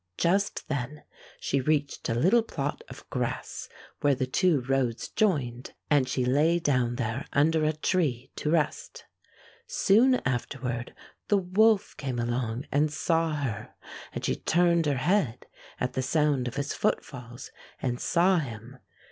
Just then she reached a little plot of grass where the two roads joined, and she lay down there under a tree to rest. Soon after ward the wolf came along and saw her, and she turned her head at the sound of his foot falls and saw him.